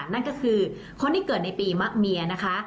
นั่นก็คือคนที่เกิดในปีมะเมียนะคะ